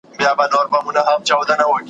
توجه یې له باوړیه شاوخوا وي `